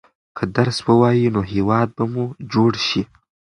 که درس ووايئ نو هېواد به مو جوړ شي.